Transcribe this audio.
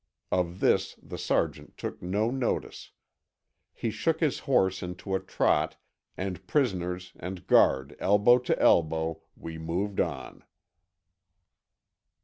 Of this the sergeant took no notice. He shook his horse into a trot, and prisoners and guard elbow to elbow, we moved on.